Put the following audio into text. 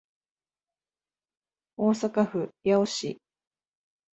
大阪府八尾市